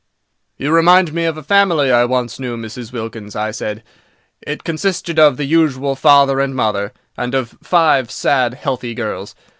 "You remind me of a family I once knew, Mrs. Wilkins," I said; "it consisted of the usual father and mother, and of five sad, healthy girls.